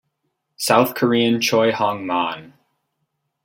South Korean Choi Hong-man.